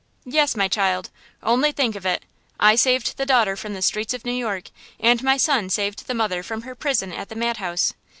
"Yes, my child. Only think of it! I saved the daughter from the streets of New York, and my son saved the mother from her prison at the madhouse!